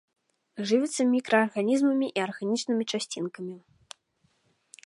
Жывяцца мікраарганізмамі і арганічнымі часцінкамі.